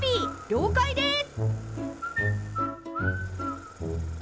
了解です！